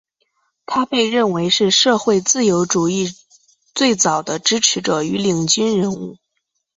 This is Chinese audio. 他被认为是社会自由主义最早的支持者与领军人物。